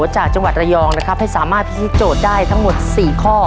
จากจังหวัดระยองนะครับให้สามารถพิธีโจทย์ได้ทั้งหมด๔ข้อ